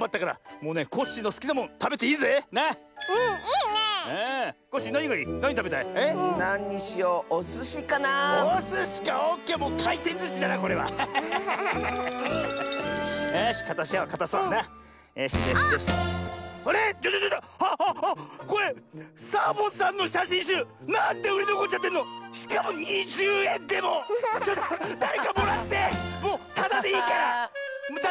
もうタダでいいから！だれか！